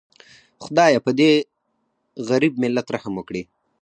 خدایه پدې غریب ملت رحم وکړي